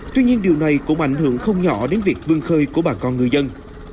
tuy nhiên điều này cũng ảnh hưởng không nhỏ đến việc vương khơi của bà con người dân